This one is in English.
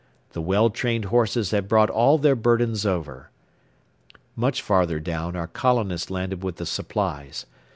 The well trained horses had brought all their burdens over. Much farther down our colonist landed with the supplies.